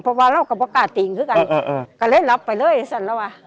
เพราะว่าเรากับว่ากล้าติ่งคือกันเออเออเออก็เลยหลับไปเลยสันแล้วว่า